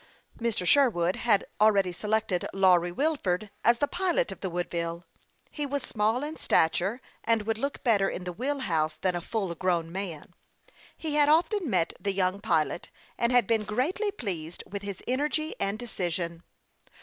THE YOUNG PILOT OF LAKE CHAMPLAIN. 41 Mr. Sherwood had already selected Lawry Wilford as the pilot of the Woodville. He was small in stature, and would look better in the wheel house than a full grown man. He had often met the young pilot, and had been greatly pleased with his energy and decision.